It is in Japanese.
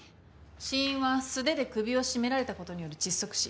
死因は素手で首を絞められたことによる窒息死。